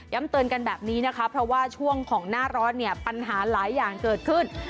เตือนกันแบบนี้นะคะเพราะว่าช่วงของหน้าร้อนเนี่ยปัญหาหลายอย่างเกิดขึ้น